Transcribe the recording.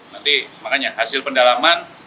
nanti makanya hasil pendalaman